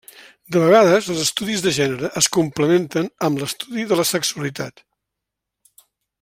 De vegades, els estudis de gènere es complementen amb l'estudi de la sexualitat.